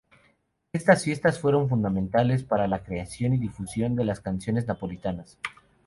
Estas fiestas fueron fundamentales para la creación y difusión de las canciones napolitanas.